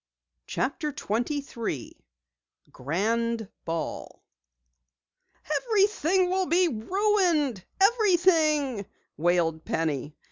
CHAPTER 23 GRAND BALL "Everything will be ruined everything!" wailed Penny.